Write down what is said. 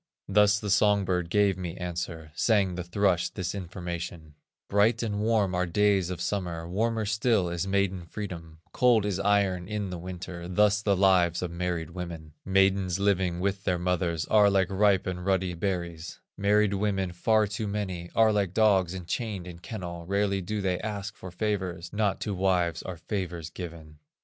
"Thus the song bird gave me answer, Sang the thrush this information: 'Bright and warm are days of summer, Warmer still is maiden freedom; Cold is iron in the winter, Thus the lives of married women; Maidens living with their mothers Are like ripe and ruddy berries; Married women, far too many, Are like dogs enchained in kennel, Rarely do they ask for favors, Not to wives are favors given.